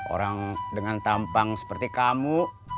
orang dengan tampang seperti kamu